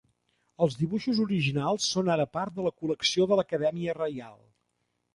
Els dibuixos originals són ara part de la col·lecció de l'Acadèmia Reial.